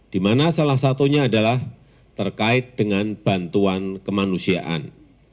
di mana salah satunya adalah terkait dengan bantuan kemanusiaan